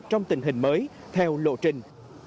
trong tình hình mới theo lộ trình